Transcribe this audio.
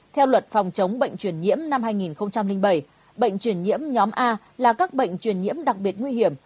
theo luật phòng chống bệnh truyền nhiễm năm hai nghìn bảy bệnh truyền nhiễm nhóm a là các bệnh truyền nhiễm đặc biệt nguy hiểm